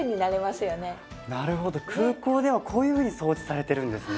なるほど空港ではこういうふうに掃除されてるんですね。